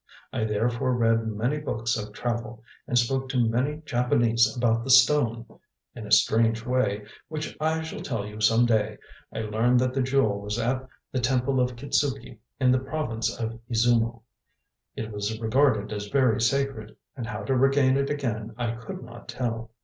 I therefore read many books of travel, and spoke to many Japanese about the stone. In a strange way, which I shall tell you some day, I learned that the jewel was at the Temple of Kitzuki, in the province of Izumo. It was regarded as very sacred, and how to regain it again I could not tell."